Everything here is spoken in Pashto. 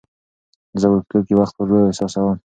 زه وړوکتوب کې وخت ورو احساسوم.